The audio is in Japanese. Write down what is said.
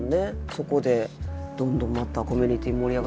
そこでどんどんまたコミュニティー盛り上がっていきそうやし。